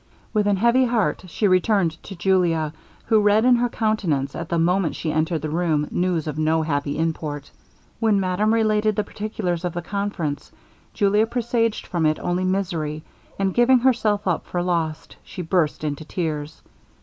With an heavy heart she returned to Julia, who read in her countenance, at the moment she entered the room, news of no happy import. When madame related the particulars of the conference, Julia presaged from it only misery, and giving herself up for lost she burst into tears.